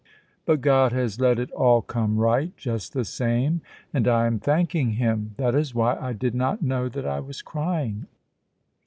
"But God has let it all come right, just the same, and I am thanking Him. That is why I did not know that I was crying."